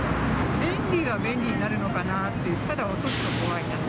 便利は便利になるのかなっていう、ただ落とすと怖いなと。